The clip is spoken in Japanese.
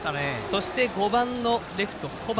そして、５番のレフト小針。